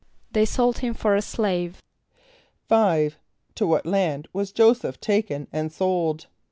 =They sold him for a slave.= =5.= To what land was J[=o]´[s+]eph taken and sold?